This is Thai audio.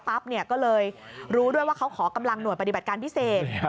ก็เลยรู้ด้วยว่าเขาขอกำลังหน่วยปฏิบัติการพิเศษ